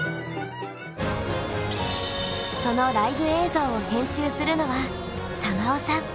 そのライブ映像を編集するのは瑶生さん。